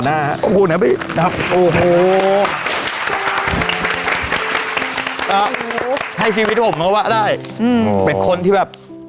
ให้ชีวิตผมก็บอกว่าได้